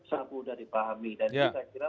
sangat mudah dipahami dan ini saya kira